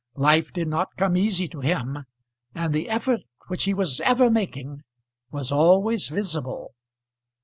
Life did not come easy to him, and the effort which he was ever making was always visible.